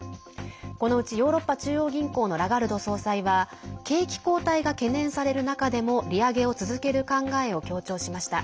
このうち、ヨーロッパ中央銀行のラガルド総裁は景気後退が懸念される中でも利上げを続ける考えを強調しました。